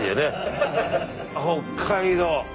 北海道！